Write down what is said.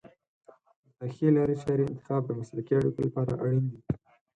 د ښې لارې چارې انتخاب د مسلکي اړیکو لپاره اړین دی.